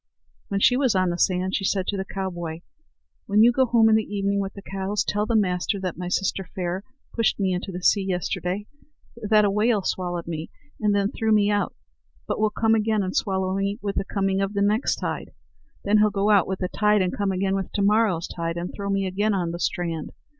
When she was on the sand she said to the cowboy: "When you go home in the evening with the cows, tell the master that my sister Fair pushed me into the sea yesterday; that a whale swallowed me, and then threw me out, but will come again and swallow me with the coming of the next tide; then he'll go out with the tide, and come again with tomorrow's tide, and throw me again on the strand.